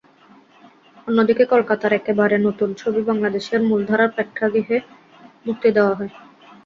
অন্যদিকে কলকাতার একেবারে নতুন ছবি বাংলাদেশের মূলধারার প্রেক্ষাগৃহে মুক্তি দেওয়া হয়।